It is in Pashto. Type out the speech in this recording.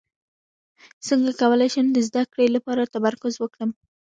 څنګه کولی شم د زده کړې لپاره تمرکز وکړم